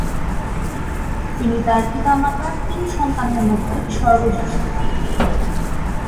তিনি তার পিতামাতার তিন সন্তানের মধ্যে সর্বজ্যেষ্ঠ।